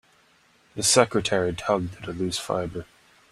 The secretary tugged at a loose fibre.